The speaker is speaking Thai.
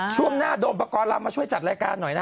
ช่วงหน้าโดมปกรณ์เรามาช่วยจัดรายการหน่อยนะ